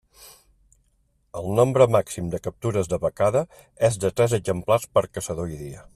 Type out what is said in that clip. El nombre màxim de captures de becada és de tres exemplars per caçador i dia.